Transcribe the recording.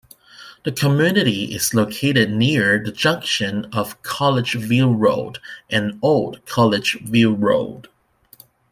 The community is located near the junction of Collegeville Road and Old Collegeville Road.